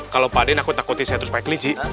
kalau pak d takut takutin saya terus pakai kelinci